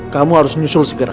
kamu harus nyusul segera